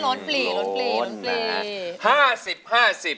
ร้นปลี